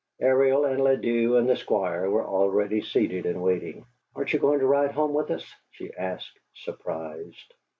Ariel and Ladew and the Squire were already seated and waiting. "Aren't you going to ride home with us?" she asked, surprised.